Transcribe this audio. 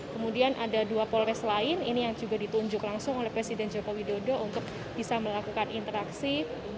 kemudian ada dua polres lain ini yang juga ditunjuk langsung oleh presiden joko widodo untuk bisa melakukan interaksi